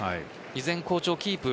依然、好調をキープ？